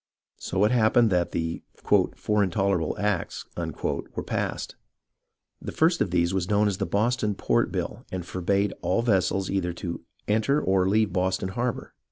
So it happened that the " four intolerable acts " were passed. The first of these was known as the Boston Port Bill, and forbade all vessels either to enter or leave Boston harbour.